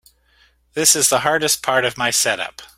This is the hardest part of my setup.